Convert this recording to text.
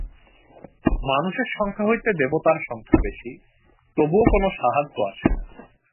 মানুষের সংখ্যা হইতে দেবতার সংখ্যা বেশী, তবুও কোন সাহায্য আসে না।